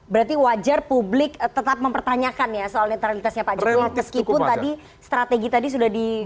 berarti wajar publik tetap mempertanyakan ya soal netralitasnya pak jokowi meskipun tadi strategi tadi sudah dibuat